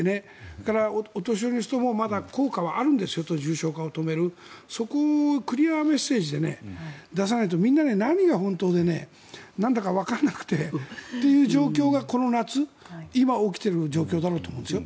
それからお年寄りの人もまだ効果はあるんですよと重症化を止めるそこをクリアメッセージで出さないとみんな何が本当でなんだかわからなくてという状況がこの夏今、起きている状況だろうと思います。